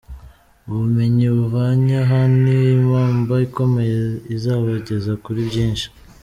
Ubumenyi muvanye aha ni impamba ikomeye izabageza kuri byinshi».